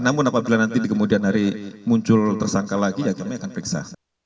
namun apabila nanti di kemudian hari muncul tersangka lagi ya kami akan periksa